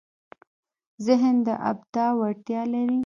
ذهن د ابداع وړتیا لري.